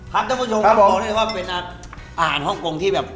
ครับทุกผู้ชมผมบอกได้ว่าเป็นอาหารฮ่องโกงที่แบบ